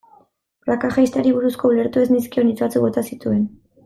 Praka jaisteari buruzko ulertu ez nizkion hitz batzuk bota zituen.